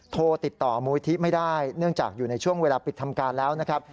โทรติดต่อมูลิธิไม่ได้เนื่องจากอยู่ในช่วงเวลาปิดทำการแล้วนะครับ